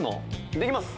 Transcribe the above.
できます。